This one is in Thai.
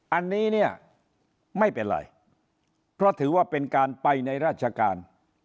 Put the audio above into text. อันนี้เนี่ยไม่เป็นไรเพราะถือว่าเป็นการไปในราชการ